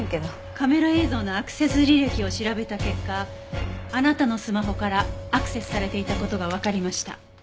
カメラ映像のアクセス履歴を調べた結果あなたのスマホからアクセスされていた事がわかりました。